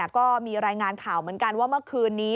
ก็มีรายงานข่าวเหมือนกันว่าเมื่อคืนนี้